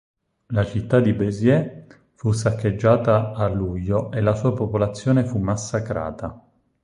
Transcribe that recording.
La città di Béziers fu saccheggiata a luglio e la sua popolazione fu massacrata.